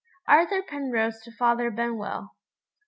_Arthur Penrose to Father Benwell.